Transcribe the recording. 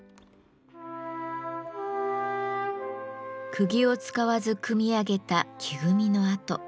くぎを使わず組み上げた木組みの跡。